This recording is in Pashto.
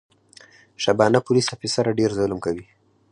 شبانه پولیس افیسره ډېر ظلم کوي.